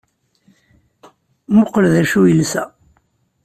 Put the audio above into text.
Mmuqqel d acu i yelsa!